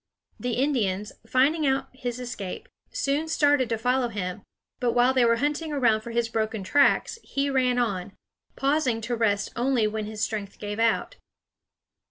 The Indians, finding out his escape, soon started to follow him; but while they were hunting around for his broken tracks, he ran on, pausing to rest only when his strength gave out.